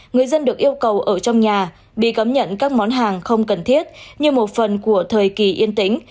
người dân được yêu cầu ở trong nhà bị cảm nhận các món hàng không cần thiết như một phần của thời kỳ yên tĩnh